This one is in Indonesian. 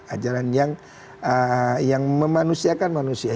ajaran yang memanusiakan manusia